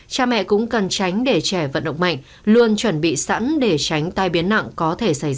cha mẹ cũng cần tránh để trẻ vận động mạnh luôn chuẩn bị sẵn để tránh tai biến nặng có thể xảy ra